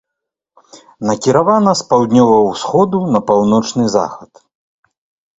Накіравана з паўднёвага ўсходу на паўночны захад.